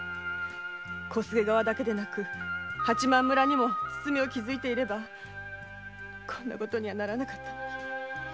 小菅側だけでなく八幡村にも堤を築いていればこんなことにはならなかったのです。